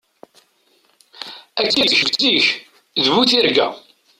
Akka seg zik, d bu tirga.